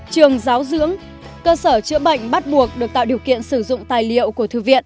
trường giáo dưỡng cơ sở chữa bệnh bắt buộc được tạo điều kiện sử dụng tài liệu của thư viện